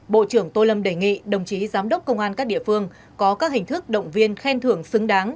bộ trưởng tô lâm đề nghị đồng chí giám đốc công an các địa phương có các hình thức động viên khen thưởng xứng đáng